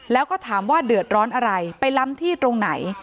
แล้วก็ถามว่าเดือดร้อนอะไรไปล้ำที่ตรงไหน